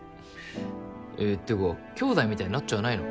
えってか兄弟みたいになっちゃわないの？